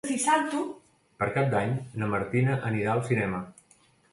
Per Cap d'Any na Martina anirà al cinema.